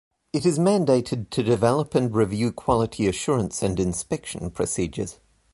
It is mandated to develop and review quality assurance and inspection procedures.